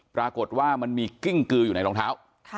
ปรากฎว่ามันมีกลิ้งกลลืออยู่นายโรงเท้า